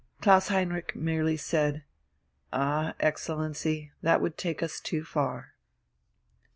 ... Klaus Heinrich merely said: "Ah, Excellency, that would take us too far."